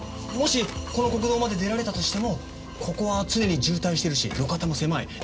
もしこの国道まで出られたとしてもここは常に渋滞してるし路肩も狭い。